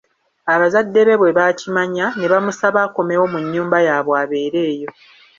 Abazadde be bwe bakimanya, ne bamusaba akomewo mu nnyumba yabwe abeere eyo.